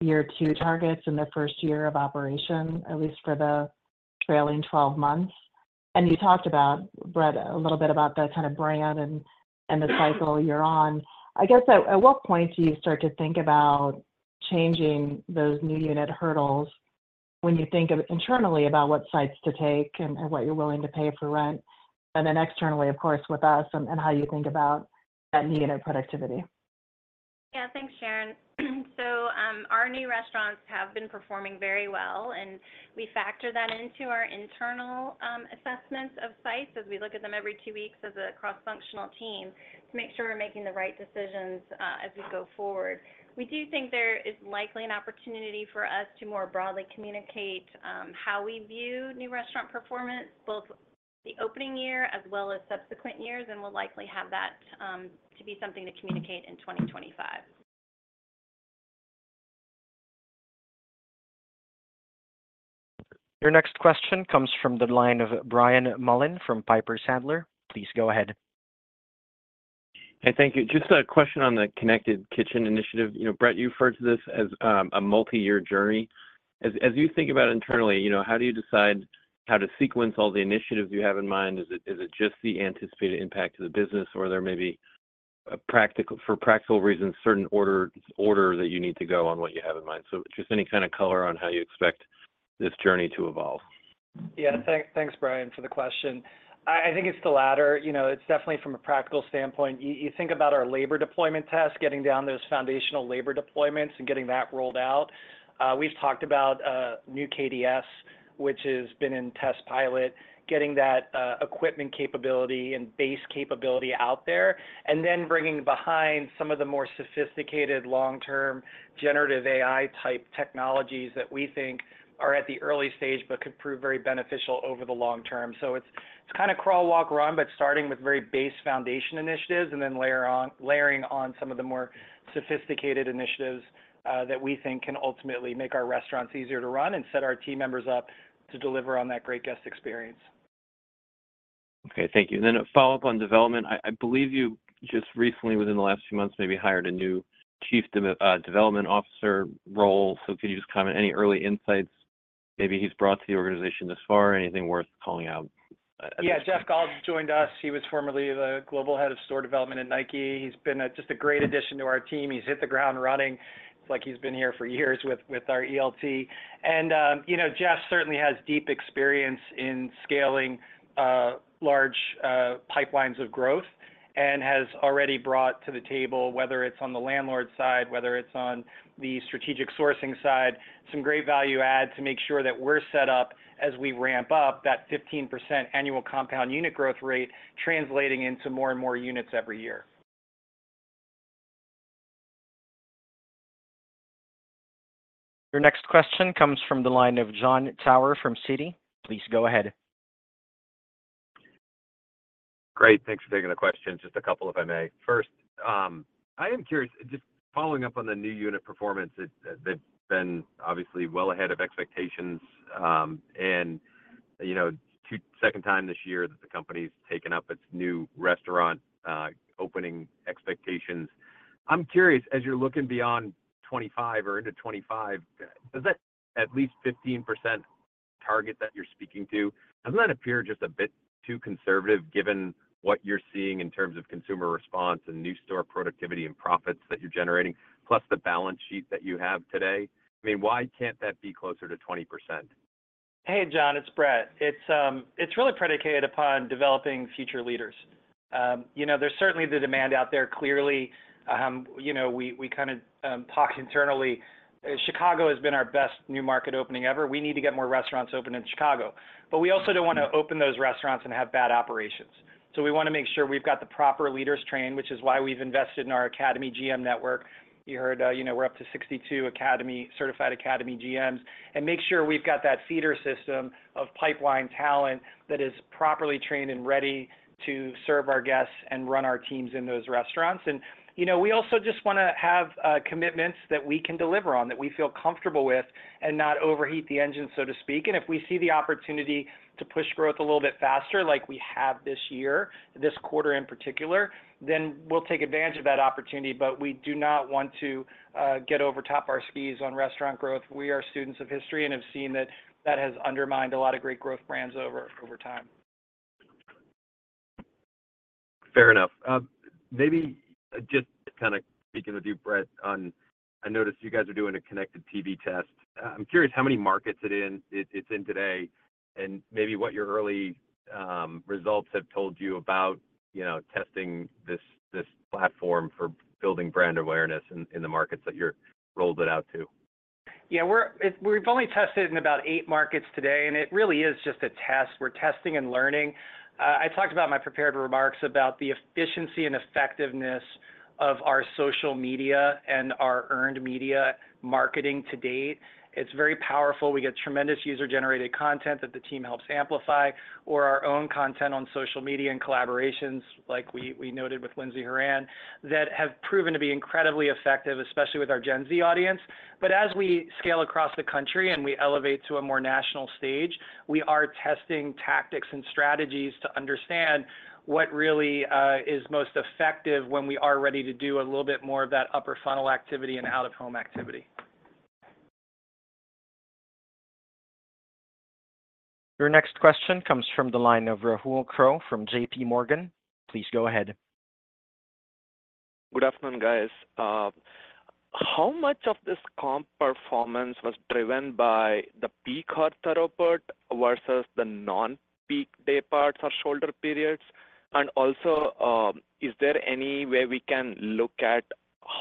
year two targets in the first year of operation, at least for the trailing twelve months. And you talked about, Brett, a little bit about the kind of brand and the cycle you're on. I guess, at what point do you start to think about changing those new unit hurdles when you think of internally about what sites to take and what you're willing to pay for rent, and then externally, of course, with us and how you think about that unit productivity? Yeah. Thanks, Sharon. So, our new restaurants have been performing very well, and we factor that into our internal assessments of sites as we look at them every two weeks as a cross-functional team, to make sure we're making the right decisions, as we go forward. We do think there is likely an opportunity for us to more broadly communicate how we view new restaurant performance, both the opening year as well as subsequent years, and we'll likely have that to be something to communicate in 2025. Your next question comes from the line of Brian Mullan from Piper Sandler. Please go ahead. Hey, thank you. Just a question on the Connected Kitchen initiative. You know, Brett, you referred to this as a multiyear journey. As you think about internally, you know, how do you decide how to sequence all the initiatives you have in mind? Is it just the anticipated impact to the business, or there may be a practical, for practical reasons, certain order that you need to go on what you have in mind? So just any kind of color on how you expect this journey to evolve. Yeah. Thanks, Brian, for the question. I think it's the latter. You know, it's definitely from a practical standpoint. You think about our labor deployment task, getting down those foundational labor deployments and getting that rolled out. We've talked about a new KDS, which has been in test pilot, getting that equipment capability and base capability out there, and then bringing behind some of the more sophisticated long-term generative AI-type technologies that we think are at the early stage but could prove very beneficial over the long term. So it's kind of crawl, walk, run, but starting with very base foundation initiatives and then layer on-- layering on some of the more sophisticated initiatives that we think can ultimately make our restaurants easier to run and set our team members up to deliver on that great guest experience. Okay, thank you. Then a follow-up on development. I believe you just recently, within the last few months, maybe hired a new chief development officer role. So could you just comment on any early insights maybe he's brought to the organization thus far? Anything worth calling out? Yeah. Jeff Cobb joined us. He was formerly the Global Head of Store Development at Nike. He's been a, just a great addition to our team. He's hit the ground running, like he's been here for years with our ELT. And, you know, Jeff certainly has deep experience in scaling large pipelines of growth and has already brought to the table, whether it's on the landlord side, whether it's on the strategic sourcing side, some great value add to make sure that we're set up as we ramp up that 15% annual compound unit growth rate, translating into more and more units every year. Your next question comes from the line of Jon Tower from Citi. Please go ahead. Great. Thanks for taking the question. Just a couple, if I may. First, I am curious, just following up on the new unit performance. They've been obviously well ahead of expectations, and you know, second time this year that the company's taken up its new restaurant opening expectations. I'm curious, as you're looking beyond 25 or into 25, does that at least 15% target that you're speaking to, doesn't that appear just a bit too conservative, given what you're seeing in terms of consumer response and new store productivity and profits that you're generating, plus the balance sheet that you have today? I mean, why can't that be closer to 20%? Hey, Jon, it's Brett. It's really predicated upon developing future leaders. You know, there's certainly the demand out there, clearly, you know, we, we kinda talk internally. Chicago has been our best new market opening ever. We need to get more restaurants open in Chicago. But we also don't want to open those restaurants and have bad operations. So we wanna make sure we've got the proper leaders trained, which is why we've invested in our Academy GM network. You heard, you know, we're up to 62 Academy-certified Academy GMs, and make sure we've got that feeder system of pipeline talent that is properly trained and ready to serve our guests and run our teams in those restaurants. And, you know, we also just wanna have commitments that we can deliver on, that we feel comfortable with, and not overheat the engine, so to speak. And if we see the opportunity to push growth a little bit faster, like we have this year, this quarter in particular, then we'll take advantage of that opportunity, but we do not want to get overtop our skis on restaurant growth. We are students of history and have seen that that has undermined a lot of great growth brands over time. Fair enough. Maybe just kinda speaking with you, Brett, on... I noticed you guys are doing a connected TV test. I'm curious how many markets it's in today, and maybe what your early results have told you about, you know, testing this platform for building brand awareness in the markets that you rolled it out to. Yeah, we've only tested in about eight markets today, and it really is just a test. We're testing and learning. I talked about my prepared remarks about the efficiency and effectiveness of our social media and our earned media marketing to date. It's very powerful. We get tremendous user-generated content that the team helps amplify, or our own content on social media and collaborations like we noted with Lindsey Horan, that have proven to be incredibly effective, especially with our Gen Z audience. But as we scale across the country and we elevate to a more national stage, we are testing tactics and strategies to understand what really is most effective when we are ready to do a little bit more of that upper funnel activity and out-of-home activity. Your next question comes from the line of Rahul Krotthapalli from JPMorgan. Please go ahead. Good afternoon, guys. How much of this comp performance was driven by the peak hour throughput versus the non-peak dayparts or shoulder periods? And also, is there any way we can look at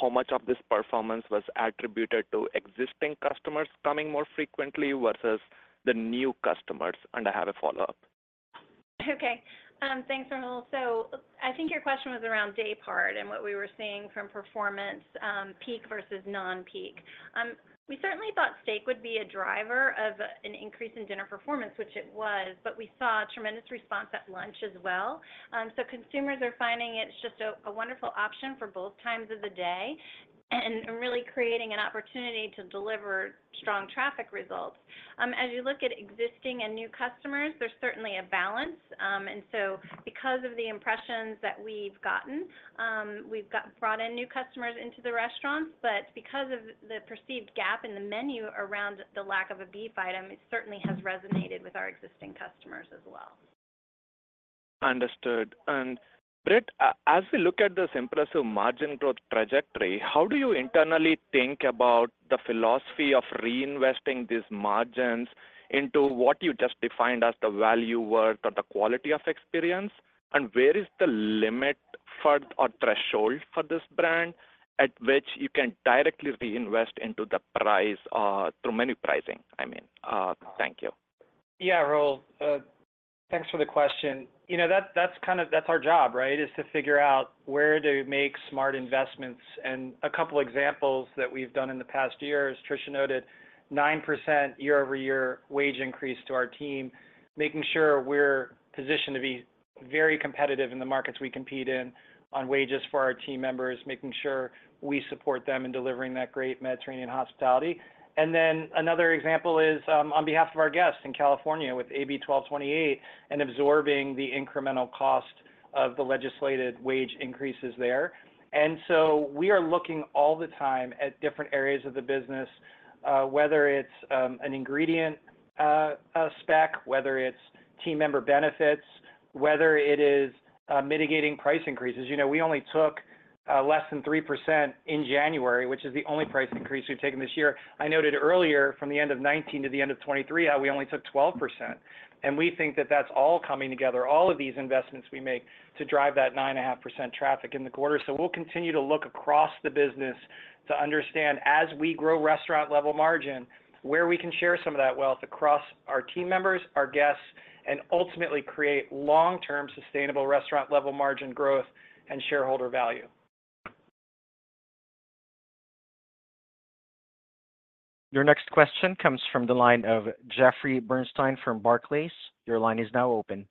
how much of this performance was attributed to existing customers coming more frequently versus the new customers? And I have a follow-up. Okay. Thanks, Rahul. So I think your question was around day part and what we were seeing from performance, peak versus non-peak. We certainly thought steak would be a driver of an increase in dinner performance, which it was, but we saw a tremendous response at lunch as well. So consumers are finding it's just a wonderful option for both times of the day and really creating an opportunity to deliver strong traffic results. As you look at existing and new customers, there's certainly a balance. And so because of the impressions that we've gotten, we've brought in new customers into the restaurants, but because of the perceived gap in the menu around the lack of a beef item, it certainly has resonated with our existing customers as well. Understood. And Brett, as we look at this impressive margin growth trajectory, how do you internally think about the philosophy of reinvesting these margins into what you just defined as the value work or the quality of experience? And where is the limit for, or threshold for this brand, at which you can directly reinvest into the price through menu pricing, I mean? Thank you. Yeah, Rahul, thanks for the question. You know, that's our job, right? Is to figure out where to make smart investments. And a couple examples that we've done in the past year, as Tricia noted, 9% year-over-year wage increase to our team, making sure we're positioned to be very competitive in the markets we compete in on wages for our team members, making sure we support them in delivering that great Mediterranean hospitality. And then another example is on behalf of our guests in California with AB 1228 and absorbing the incremental cost of the legislated wage increases there. And so we are looking all the time at different areas of the business, whether it's an ingredient spec, whether it's team member benefits, whether it is mitigating price increases. You know, we only took less than 3% in January, which is the only price increase we've taken this year. I noted earlier, from the end of 2019 to the end of 2023, how we only took 12%. We think that that's all coming together, all of these investments we make, to drive that 9.5% traffic in the quarter. We'll continue to look across the business to understand, as we grow restaurant-level margin, where we can share some of that wealth across our team members, our guests, and ultimately create long-term sustainable restaurant-level margin growth and shareholder value. Your next question comes from the line of Jeffrey Bernstein from Barclays. Your line is now open....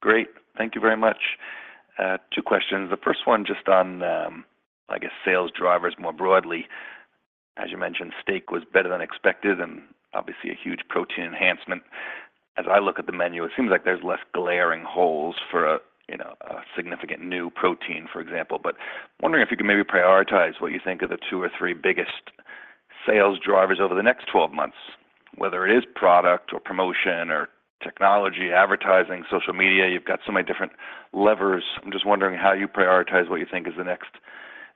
Great. Thank you very much. Two questions. The first one, just on, I guess, sales drivers more broadly. As you mentioned, steak was better than expected and obviously a huge protein enhancement. As I look at the menu, it seems like there's less glaring holes for a, you know, a significant new protein, for example. But wondering if you could maybe prioritize what you think are the two or three biggest sales drivers over the next twelve months, whether it is product or promotion or technology, advertising, social media. You've got so many different levers. I'm just wondering how you prioritize what you think is the next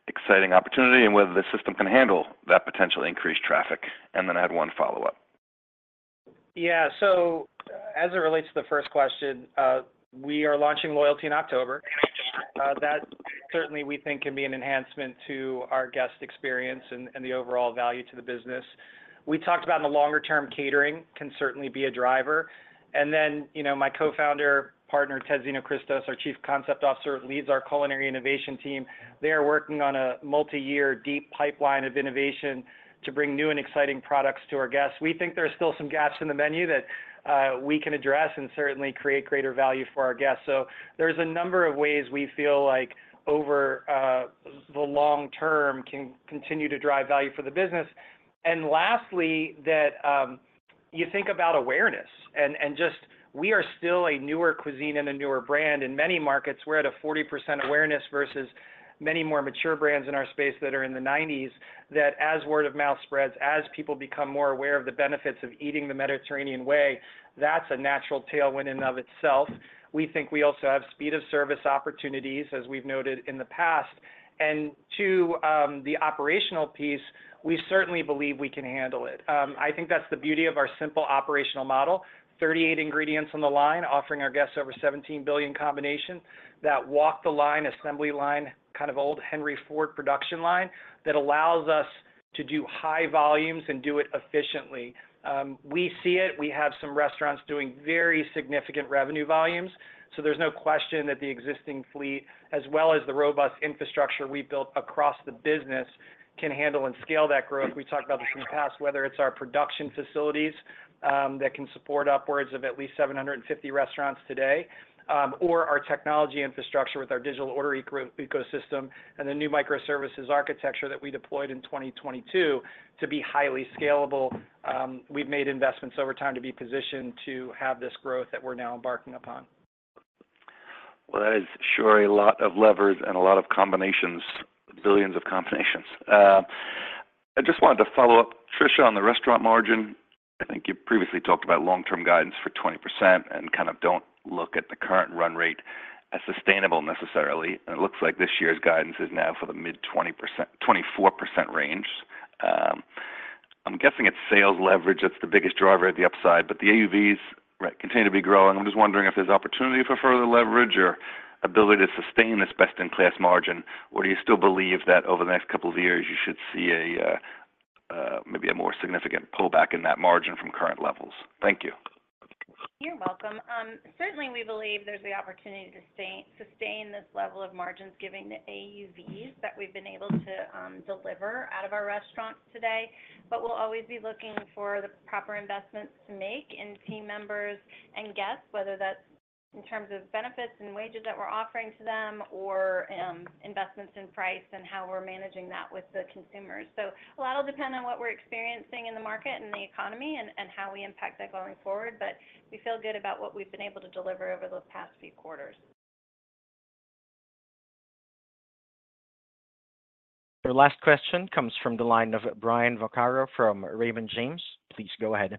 exciting opportunity, and whether the system can handle that potential increased traffic. And then I have one follow-up. Yeah, so as it relates to the first question, we are launching loyalty in October. That certainly, we think, can be an enhancement to our guest experience and the overall value to the business. We talked about in the longer term, catering can certainly be a driver. And then, you know, my co-founder, partner, Ted Xenohristos, our Chief Concept Officer, leads our culinary innovation team. They are working on a multi-year deep pipeline of innovation to bring new and exciting products to our guests. We think there are still some gaps in the menu that we can address and certainly create greater value for our guests. So there's a number of ways we feel like over the long term, can continue to drive value for the business. And lastly, if you think about awareness and just we are still a newer cuisine and a newer brand. In many markets, we're at 40% awareness versus many more mature brands in our space that are in the 90s. That as word of mouth spreads, as people become more aware of the benefits of eating the Mediterranean way, that's a natural tailwind in and of itself. We think we also have speed of service opportunities, as we've noted in the past. And to the operational piece, we certainly believe we can handle it. I think that's the beauty of our simple operational model. 38 ingredients on the line, offering our guests over 17 billion combinations. That walk the line, assembly line, kind of old Henry Ford production line, that allows us to do high volumes and do it efficiently. We see it. We have some restaurants doing very significant revenue volumes, so there's no question that the existing fleet, as well as the robust infrastructure we've built across the business, can handle and scale that growth. We talked about this in the past, whether it's our production facilities, that can support upwards of at least 750 restaurants today, or our technology infrastructure with our digital order ecosystem, and the new microservices architecture that we deployed in 2022 to be highly scalable. We've made investments over time to be positioned to have this growth that we're now embarking upon. That is sure a lot of levers and a lot of combinations, billions of combinations. I just wanted to follow up, Tricia, on the restaurant margin. I think you previously talked about long-term guidance for 20% and kind of don't look at the current run rate as sustainable necessarily, and it looks like this year's guidance is now for the mid-20%, 24% range. I'm guessing it's sales leverage that's the biggest driver at the upside, but the AUVs continue to be growing. I'm just wondering if there's opportunity for further leverage or ability to sustain this best-in-class margin, or do you still believe that over the next couple of years, you should see a maybe a more significant pullback in that margin from current levels? Thank you. You're welcome. Certainly, we believe there's the opportunity to sustain this level of margins, given the AUVs that we've been able to deliver out of our restaurants today. But we'll always be looking for the proper investments to make in team members and guests, whether that's in terms of benefits and wages that we're offering to them, or investments in price and how we're managing that with the consumers. So a lot will depend on what we're experiencing in the market and the economy, and how we impact that going forward, but we feel good about what we've been able to deliver over the past few quarters. Your last question comes from the line of Brian Vaccaro from Raymond James. Please go ahead.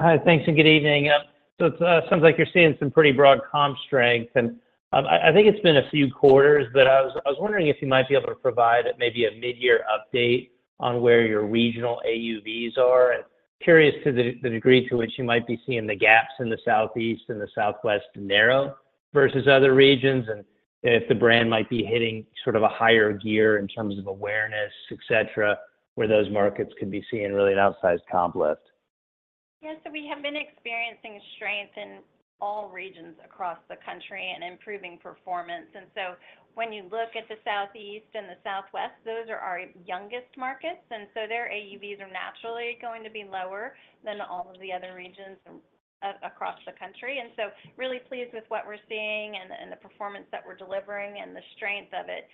Hi, thanks and good evening. So it sounds like you're seeing some pretty broad comp strength, and I think it's been a few quarters, but I was wondering if you might be able to provide maybe a mid-year update on where your regional AUVs are. Curious to the degree to which you might be seeing the gaps in the Southeast and the Southwest narrow versus other regions, and if the brand might be hitting sort of a higher gear in terms of awareness, et cetera, where those markets could be seeing really an outsized comp lift. Yes, so we have been experiencing strength in all regions across the country and improving performance. And so when you look at the Southeast and the Southwest, those are our youngest markets, and so their AUVs are naturally going to be lower than all of the other regions across the country. And so really pleased with what we're seeing and the performance that we're delivering and the strength of it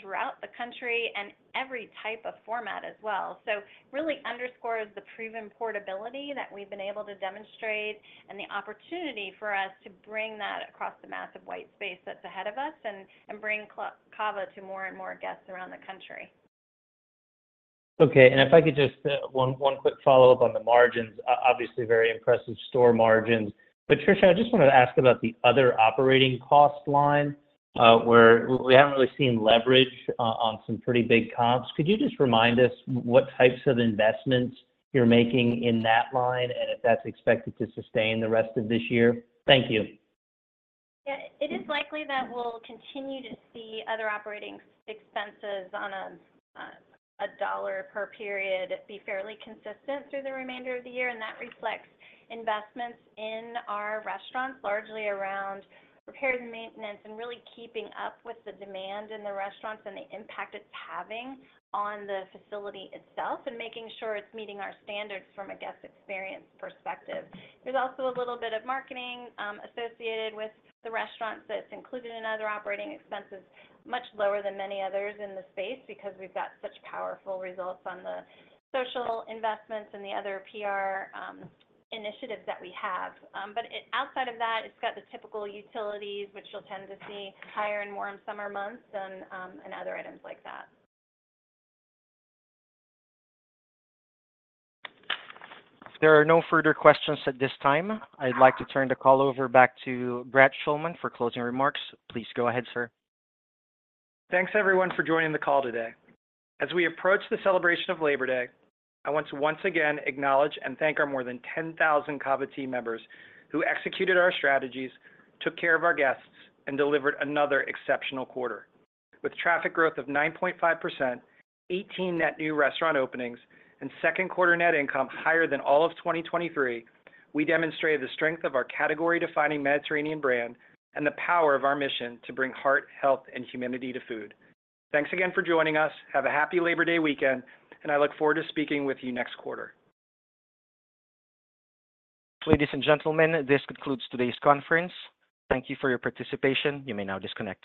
throughout the country and every type of format as well. So really underscores the proven portability that we've been able to demonstrate and the opportunity for us to bring that across the massive white space that's ahead of us, and bring CAVA to more and more guests around the country. Okay, and if I could just, one quick follow-up on the margins. Obviously, very impressive store margins. But Tricia, I just wanted to ask about the other operating cost line, where we haven't really seen leverage on some pretty big comps. Could you just remind us what types of investments you're making in that line, and if that's expected to sustain the rest of this year? Thank you. Yeah. It is likely that we'll continue to see other operating expenses on a dollar per period be fairly consistent through the remainder of the year, and that reflects investments in our restaurants, largely around repairs and maintenance, and really keeping up with the demand in the restaurants and the impact it's having on the facility itself, and making sure it's meeting our standards from a guest experience perspective. There's also a little bit of marketing associated with the restaurants that's included in other operating expenses, much lower than many others in the space, because we've got such powerful results on the social investments and the other PR initiatives that we have. But outside of that, it's got the typical utilities, which you'll tend to see higher and more on summer months than and other items like that. There are no further questions at this time. I'd like to turn the call over back to Brett Schulman for closing remarks. Please go ahead, sir. Thanks, everyone, for joining the call today. As we approach the celebration of Labor Day, I want to once again acknowledge and thank our more than 10,000 CAVA team members who executed our strategies, took care of our guests, and delivered another exceptional quarter. With traffic growth of 9.5%, 18 net new restaurant openings, and second quarter net income higher than all of 2023, we demonstrated the strength of our category-defining Mediterranean brand and the power of our mission to bring heart, health, and humanity to food. Thanks again for joining us. Have a Happy Labor Day weekend, and I look forward to speaking with you next quarter. Ladies and gentlemen, this concludes today's conference. Thank you for your participation. You may now disconnect.